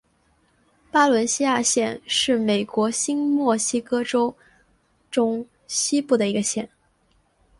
巴伦西亚县是美国新墨西哥州中西部的一个县。